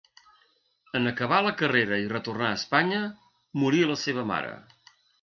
En acabar la carrera i retornar a Espanya, morí la seva mare.